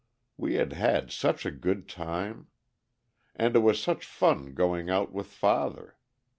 We had had such a good time. And it was such fun going out with father.